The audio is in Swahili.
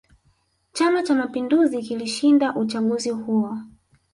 chama cha mapinduzi kilishinda uchaguzi huo